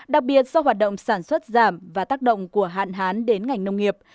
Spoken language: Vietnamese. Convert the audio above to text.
đặc biệt do hoạt động sản xuất giảm và tác động của hạn hán đến ngành nông nghiệp